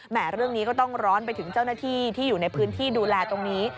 เรื่องนี้ก็ต้องร้อนไปถึงเจ้าหน้าที่ที่อยู่ในพื้นที่ดูแลตรงนี้